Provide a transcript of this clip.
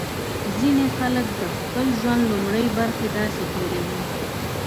ځینې خلک د خپل ژوند لومړۍ برخه داسې تېروي.